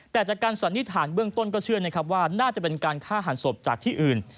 แต่จากการสันนิษฐานเบื้องต้นก็เชื่อนะครับว่าน่าจะเป็นการฆ่าหันศพจากที่อื่น